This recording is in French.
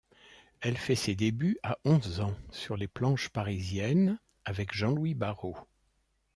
Elle fait ses débuts à onze ans sur les planches parisiennes avec Jean-Louis Barrault.